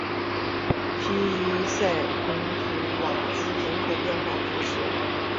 皮伊塞蓬图瓦兹人口变化图示